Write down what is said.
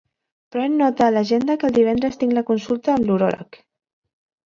Pren nota a l'agenda que el divendres tinc la consulta amb l'uròleg.